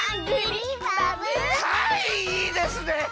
はいいいですね！